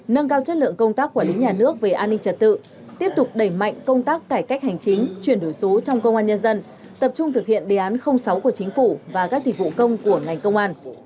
nâng cao chất lượng công tác quản lý nhà nước về an ninh trật tự tiếp tục đẩy mạnh công tác cải cách hành chính chuyển đổi số trong công an nhân dân tập trung thực hiện đề án sáu của chính phủ và các dịch vụ công của ngành công an